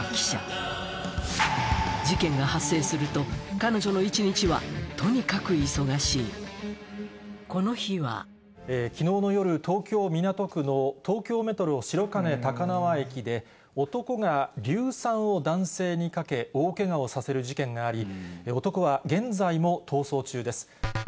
彼女の一日はこの日は昨日の夜東京・港区の東京メトロ白金高輪駅で男が硫酸を男性にかけ大ケガをさせる事件があり男は現在も逃走中です。